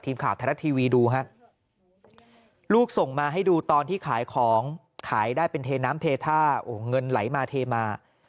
ทีมข่าวไทยรัฐทีวีดูฮะลูกส่งมาให้ดูตอนที่ขายของขายได้เป็นเทน้ำเทท่าโอ้โหเงินไหลมาเทมา